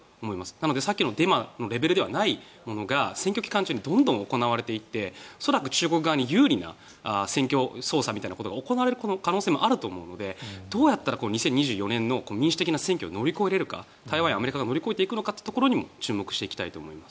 なので、さっきのデマのレベルでないものが選挙期間中にどんどん行われて中国側に有利な選挙操作が行われる可能性もあると思うのでどうやったら２０２４年の民主的な選挙を乗り越えられるか台湾やアメリカが乗り越えていくかというところにも注目していきたいと思います。